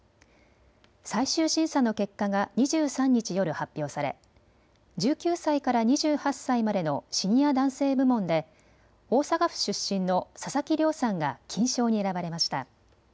最終審査の結果が２３日夜、発表され１９歳から２８歳までのシニア男性部門で大阪府出身の佐々木嶺さんが金賞に選ばれました。